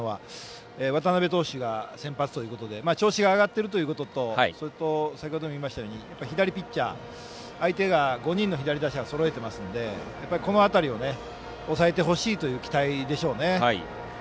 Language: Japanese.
渡邉投手が先発ということで調子が上がっているということと先程も言いましたが左ピッチャー相手が５人の左打者をそろえていますのでこの辺りを抑えてほしいという期待でしょうね。